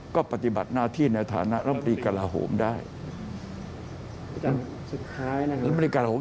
ก็ปฏิบัติหน้าที่ในฐานะรัฐมนตรีกระหโหมได้รัฐมนตรีกระหโหม